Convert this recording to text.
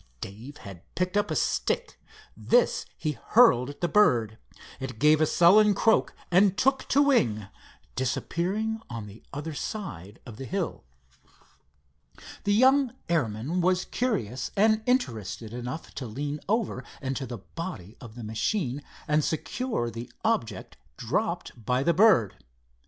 Dave had picked up a stick. This he hurled at the bird. It gave a sullen croak and took to wing, disappearing on the other side of the hill. The young airman was curious and interested enough to lean over into the body of the machine and secure the object dropped by the bird.